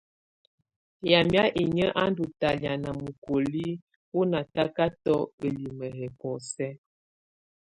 Yamɛ̀á inyǝ́ á ndù talɛ̀á na mukoliǝ wù natakatɔ ǝlimǝ yɛ bɔ̀ósɛ.